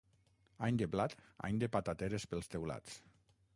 Any de blat, any de patateres pels teulats.